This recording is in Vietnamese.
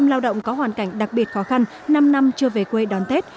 một trăm linh lao động có hoàn cảnh đặc biệt khó khăn năm năm chưa về quê đón tết